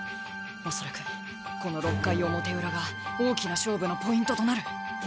恐らくこの６回表裏が大きな勝負のポイントとなる。